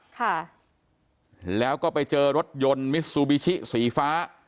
ค่ะแล้วก็ไปเจอรถยนต์มิซูบิชิสีฟ้า